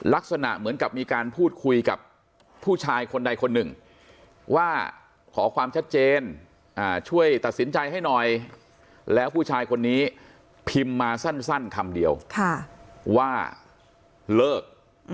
ลักษณะเหมือนกับมีการพูดคุยกับผู้ชายคนใดคนหนึ่งว่าขอความชัดเจนช่วยตัดสินใจให้หน่อยแล้วผู้ชายคนนี้พิมพ์มาสั้นคำเดียวว่าเลิก